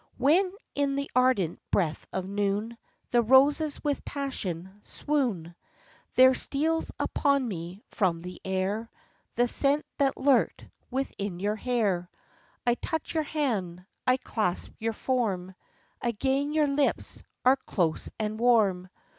When, in the ardent breath of noon, The roses with passion swoon; There steals upon me from the air The scent that lurked within your hair; I touch your hand, I clasp your form Again your lips are close and warm.